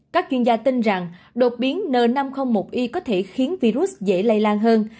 các chuyên gia tin rằng đột biến n năm trăm linh một i có thể khiến virus dễ lây lan hơn